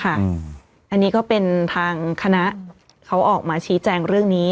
อันนี้ก็เป็นทางคณะเขาออกมาชี้แจงเรื่องนี้